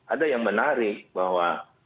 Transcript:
ada yang menarik bahwa